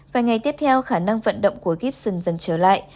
vài ngày tiếp theo khả năng vận động của gibson dần trở lại